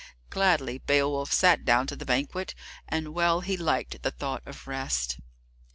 Gladly Beowulf sat down to the banquet, and well he liked the thought of the rest.